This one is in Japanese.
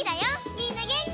みんなげんき？